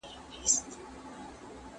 ¬ يوه ورځ ديد، بله ورځ شناخت.